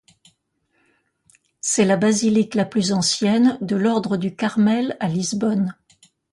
C'est la basilique la plus ancienne de l'Ordre du Carmel à Lisbonne.